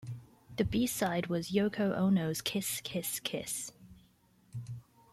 The B-side was Yoko Ono's "Kiss Kiss Kiss".